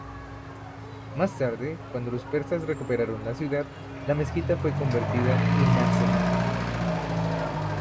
Más tarde, cuando los persas recuperaron la ciudad, la mezquita fue convertida en arsenal.